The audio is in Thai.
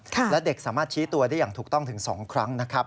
และเด็กสามารถชี้ตัวได้อย่างถูกต้องถึง๒ครั้งนะครับ